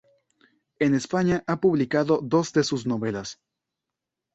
En España ha publicado dos de sus novelas.